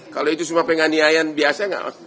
kalau itu semua penganiayan biasa nggak